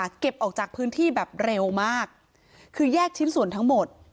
เก็บออกจากพื้นที่แบบเร็วมากคือแยกชิ้นส่วนทั้งหมด